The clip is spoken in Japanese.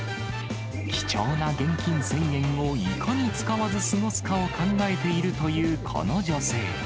貴重な現金１０００円をいかに使わず過ごすかを考えているというこの女性。